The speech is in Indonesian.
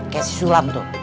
kayak si sulam tuh